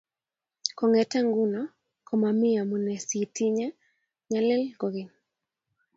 kongete nguno ko mami amune si tinye nyalil kogeny